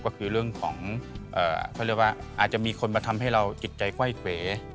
ก็คือเรื่องของเขาเรียกว่าอาจจะมีคนมาทำให้เราจิตใจกว้ายเว